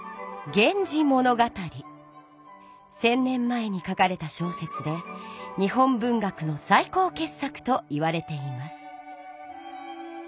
１，０００年前に書かれた小説で日本文学の最高傑作といわれています。